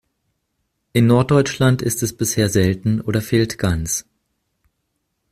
In Norddeutschland ist es bisher selten oder fehlt ganz.